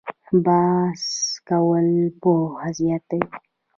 بحث کول پوهه زیاتوي